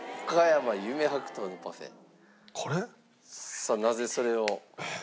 さあなぜそれを？